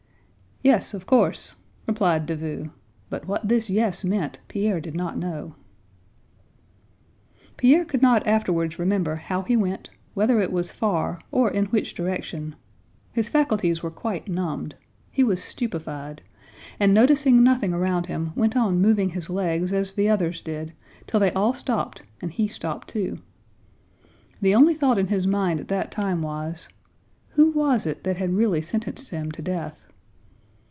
"Yes, of course!" replied Davout, but what this "yes" meant, Pierre did not know. Pierre could not afterwards remember how he went, whether it was far, or in which direction. His faculties were quite numbed, he was stupefied, and noticing nothing around him went on moving his legs as the others did till they all stopped and he stopped too. The only thought in his mind at that time was: who was it that had really sentenced him to death?